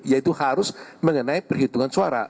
yaitu harus mengenai perhitungan suara